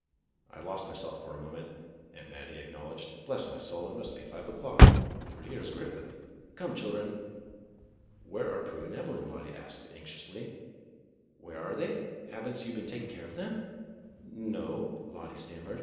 "I lost myself for a moment," Aunt Mattie ac knowledged. "Bless my soul, it must be five o'clock, for here is Griffith. Come, children!" "WTiere are Prue and Evelyn.^" Lottie asked anxiously. "Where are they.^ Have n't you been taking care of them.?" "No," Lottie stammered.